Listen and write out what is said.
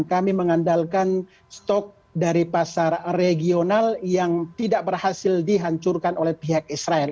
kami mengandalkan stok dari pasar regional yang tidak berhasil dihancurkan oleh pihak israel